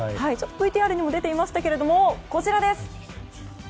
ＶＴＲにも出ていましたがこちらです。